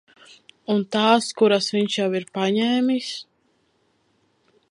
Un tās, kuras viņš jau ir paņēmis?